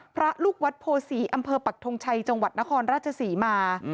พระลูกวัดโพศีอำเภอปักทงชัยจังหวัดนครราชศรีมา